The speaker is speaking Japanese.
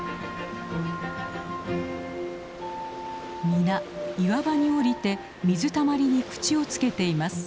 皆岩場に降りて水たまりに口をつけています。